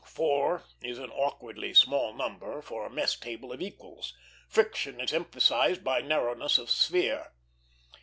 Four is an awkwardly small number for a mess table of equals; friction is emphasized by narrowness of sphere.